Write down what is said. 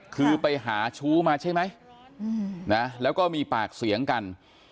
คือไปหาชู้มาใช่ไหมแล้วก็มีปากเสียงกัน